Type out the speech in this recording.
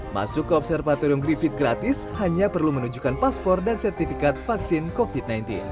masuk ke observatorium griffith gratis hanya perlu menunjukkan paspor dan sertifikat vaksin covid sembilan belas